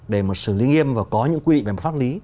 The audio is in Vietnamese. để xử lý nghiêm và có những quy định pháp lý